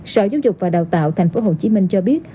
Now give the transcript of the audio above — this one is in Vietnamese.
sở giáo dục và đào tạo tp hcm cho biết